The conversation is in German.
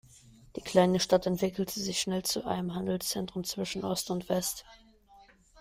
Die kleine Stadt entwickelte sich schnell zu einem Handelszentrum zwischen Ost und West.